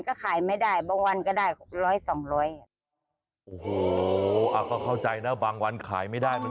ก็ทำแบบว่าเหลือจากลูกค้าก็เลยเอามากิน